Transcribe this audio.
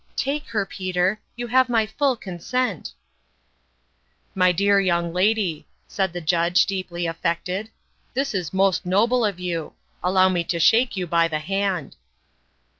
Take her, Peter ; you have my full consent !"" My dear young lady," said the Judge, deeply affected, " this is most noble of you ! Allow me to shake you by the hand."